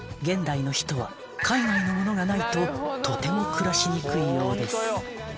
現代のヒトは海外のものがないととても暮らしにくいようです